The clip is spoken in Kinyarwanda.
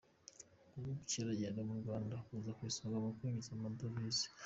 Ubu ubukerarugendo mu Rwanda buza ku isonga mu kwinjiza amadovize.